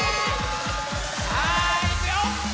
さあいくよ！